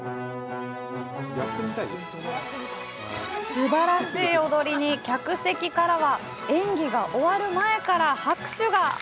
すばらしい踊りに客席からは演技が終わる前から拍手が！